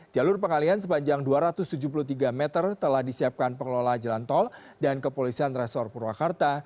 jalur pengalian sepanjang dua ratus tujuh puluh tiga meter telah disiapkan pengelola jalan tol dan kepolisian resor purwakarta